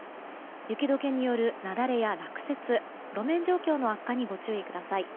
雪解けによる雪崩や落雪路面状況の悪化にご注意ください。